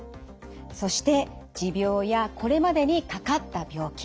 そして持病やこれまでにかかった病気。